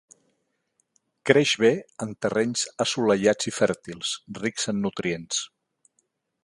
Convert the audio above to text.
Creix bé en terrenys assolellats i fèrtils, rics en nutrients.